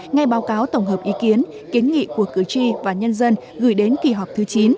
ngay báo cáo tổng hợp ý kiến kiến nghị của cử tri và nhân dân gửi đến kỳ họp thứ chín